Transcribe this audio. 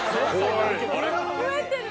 増えてる！